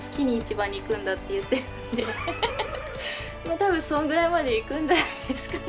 多分そのぐらいまで行くんじゃないですかね。